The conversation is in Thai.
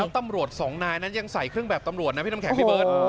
ตำรวจสองนายนั้นยังใส่เครื่องแบบตำรวจนะพี่น้ำแข็งพี่เบิร์ต